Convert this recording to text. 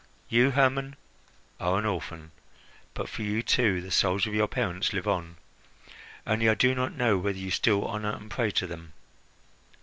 You, Hermon, are an orphan, but for you, too, the souls of your parents live on. Only I do not know whether you still honour and pray to them."